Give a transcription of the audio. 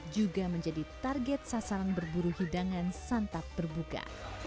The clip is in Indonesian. juga menjadi target sasaran berburu hidangan santap berbuka